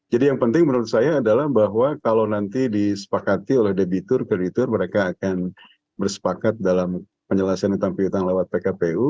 jadi yang penting menurut saya adalah bahwa kalau nanti disepakati oleh debitur kreditur mereka akan bersepakat dalam penyelesaian utang piutang lewat pkpu